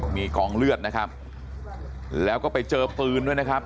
มีกองเลือดนะครับแล้วก็ไปเจอปืนด้วยนะครับ